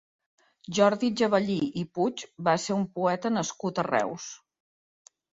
Jordi Gebellí i Puig va ser un poeta nascut a Reus.